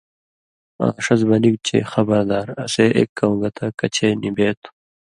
آں ݜس بنِگ چے (خبردار) اسے اېک کؤں گتہ کچھے نی بے تُھو۔